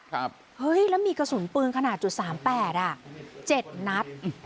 เฮ้ยแล้วมีกระสุนปืนขนาดจุดสามแปดอ่ะเจ็ดนัด